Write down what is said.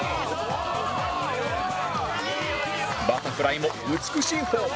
バタフライも美しいフォーム